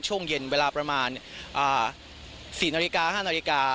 ช่วงเย็นเวลาประมาณอ่าสี่นาฬิกาห้านาฬิกา